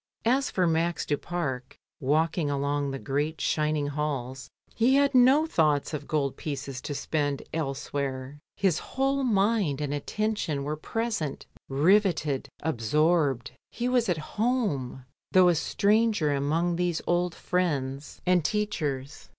As for Max du Pare walking along the great shining halls, he had no thoughts of gold pieces to spend elsewhere. His whole mind and attention were present, riveted, absorbed. He was at home, though a stranger among these old fiiends and LONDON CITY. 1 57 teacheis.